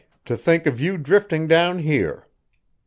To think of you drifting down here.